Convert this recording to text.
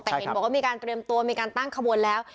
แต่เห็นบอกว่ามีการเตรียมตัวมีการตั้งขบวนแล้ว